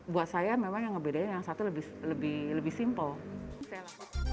buat saya memang yang bedanya yang satu lebih lebih lebih simpel